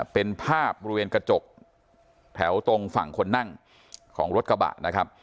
เป็นภาพบริเวณกระจกแถวตรงฝั่งคนนั่งของรถกระบะนะครับ